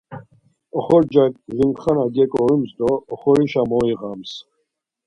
Oxorcak limxana geǩorums do oxorişa moyiğams.